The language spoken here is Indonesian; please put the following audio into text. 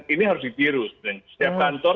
ini harus ditiru setiap kantor